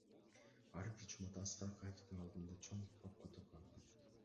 Ар бир жумада Аскар Акаевдин алдында чоң папка турган.